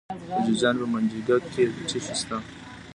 د جوزجان په منګجیک کې څه شی شته؟